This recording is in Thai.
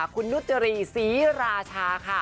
คุณนุชจะรีซีราชา